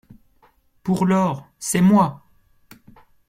Pour lors, c’est moi !